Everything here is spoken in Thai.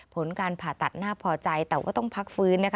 ผลการผ่าตัดน่าพอใจแต่ว่าต้องพักฟื้นนะคะ